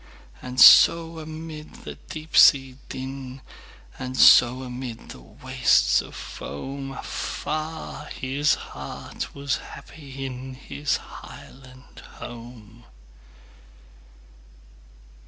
And so amid the deep sea din, And so amid the wastes of foam, Afar his heart was happy inHis highland home!